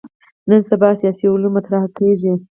نن سبا سیاسي علومو مطرح کېږي.